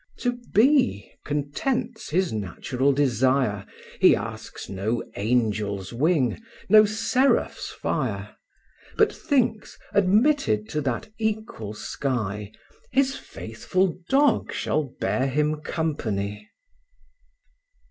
To be, contents his natural desire, He asks no angel's wing, no seraph's fire; But thinks, admitted to that equal sky, His faithful dog shall bear him company.